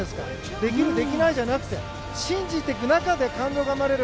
できるできないじゃなくて信じていく中で感動が生まれる。